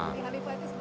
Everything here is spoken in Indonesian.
kekalipah itu sebenarnya